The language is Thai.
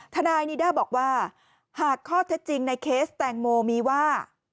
ทนายนิด้าบอกว่าหากข้อเท็จจริงในเคสแตงโมมีว่า